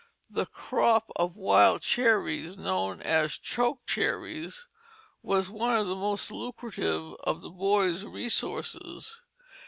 The crop of wild cherries known as chokecherries was one of the most lucrative of the boy's resources.